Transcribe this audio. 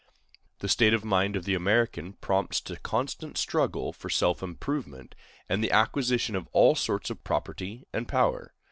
The state of mind of the American prompts to constant struggle for self improvement and the acquisition of all sorts of property and power.